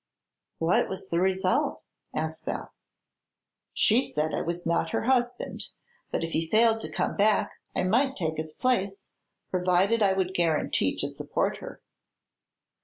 "What was the result?" asked Beth. "She said I was not her husband, but if he failed to come back I might take his place, provided I would guarantee to support her."